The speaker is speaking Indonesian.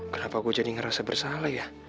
kenapa gue jadi ngerasa bersalah ya